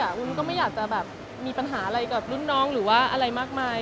วุ้นก็ไม่อยากจะแบบมีปัญหาอะไรกับรุ่นน้องหรือว่าอะไรมากมาย